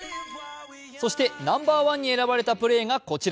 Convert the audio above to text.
そしてナンバーワンに選ばれたプレーがこちら。